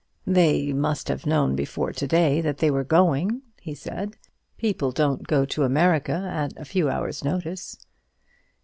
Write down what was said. "They must have known before to day that they were going," he said. "People don't go to America at a few hours' notice."